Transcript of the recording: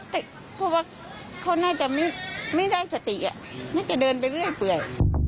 แต่เพราะว่าเขาน่าจะไม่ได้สติน่าจะเดินไปเรื่อยเปื่อย